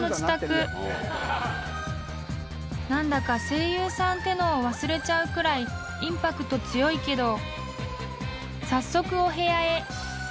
［何だか声優さんってのを忘れちゃうくらいインパクト強いけど］